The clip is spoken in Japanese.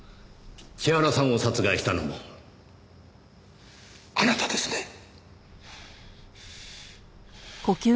千原さんを殺害したのもあなたですね？